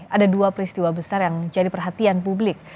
ada dua peristiwa besar yang jadi perhatian publik